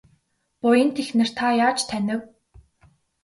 Буянт эхнэр та яаж танив?